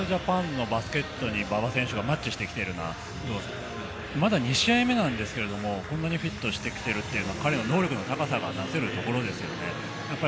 ＪＡＰＡＮのバスケットに馬場選手がマッチしてきているな、まだ２試合目なんですけれども、こんなにフィットしてきているというのは彼の能力の高さがなせるところですよね。